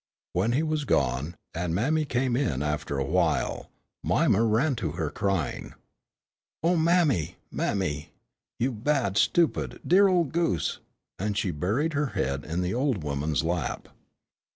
When he was gone, and mammy came in after a while, Mima ran to her crying, "Oh, mammy, mammy, you bad, stupid, dear old goose!" and she buried her head in the old woman's lap.